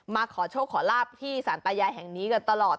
มาขอโชคขอลาบที่สารตายายแห่งนี้กันตลอด